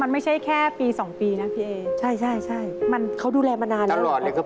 ไม่ต้องไปไหนนะครับ